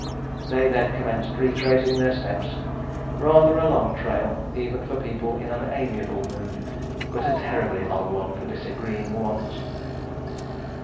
They then commenced retracing their steps, rather a long trail, even for people in an amiable mood, but a terribly long one for disagreeing ones.